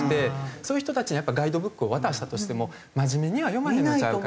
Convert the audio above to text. そういう人たちにガイドブックを渡したとしても真面目には読まへんのちゃうかな。